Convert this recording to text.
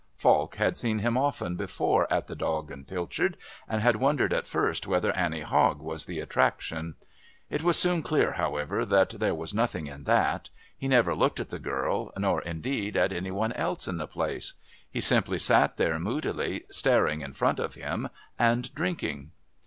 Falk had seen him often before at the "Dog and Pilchard," and had wondered at first whether Annie Hogg was the attraction. It was soon clear, however, that there was nothing in that. He never looked at the girl nor, indeed, at any one else in the place. He simply sat there moodily staring in front of him and drinking.